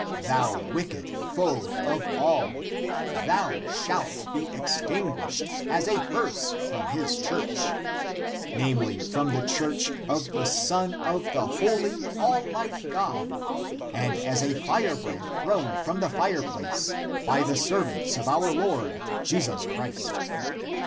Thou wicked foe of all, thou shalt be extinguished as a curse from his Church (namely, from the Church), of the Son of the holy, almighty God, and ACTS OF PETER 73 as a firebrand thrown from the fireplace, by the servants of our Lord Jesus Christ.